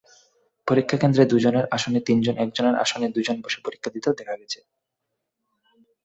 পরীক্ষাকেন্দ্রে দুজনের আসনে তিনজন, একজনের আসনে দুজন বসে পরীক্ষা দিতেও দেখা গেছে।